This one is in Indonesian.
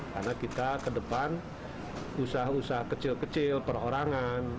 karena kita ke depan usaha usaha kecil kecil perorangan